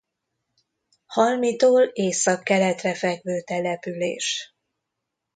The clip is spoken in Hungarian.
Halmitól északkeletre fekvő település.